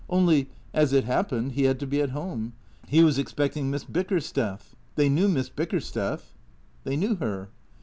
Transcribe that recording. Only, as it happened, he had to be at home. He was expecting Miss Bickersteth. They knew Miss Bickersteth ? They knew her.